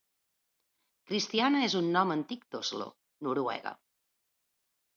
'Christiana' és un nom antic d'Oslo, Noruega.